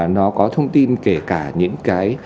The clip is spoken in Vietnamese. nó có thông tin kể cả những cái